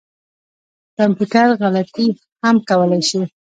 کمپیوټر غلطي هم کولای شي